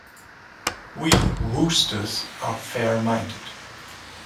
We Woosters are fair-minded.